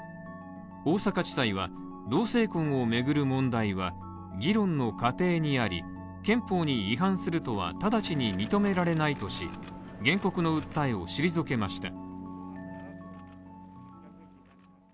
大阪地裁は同性婚を巡る問題は議論の過程にあり、憲法に違反するとは直ちに認められないとし、原告の訴えを退けました。